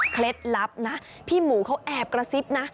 ลับนะพี่หมูเขาแอบกระซิบนะ